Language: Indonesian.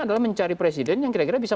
adalah mencari presiden yang kira kira bisa